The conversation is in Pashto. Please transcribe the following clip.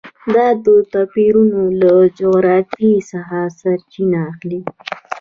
دا توپیرونه له جغرافیې څخه سرچینه اخلي.